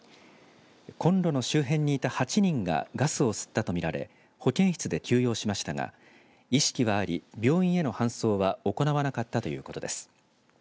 コンロの周辺にいた８人がガスを吸ったと見られ保健室で休養しましたが意識はあり、病院への搬送は行わなかったということです。